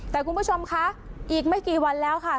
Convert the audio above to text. แต่คุณผู้ชมคะอีกไม่กี่วันแล้วค่ะ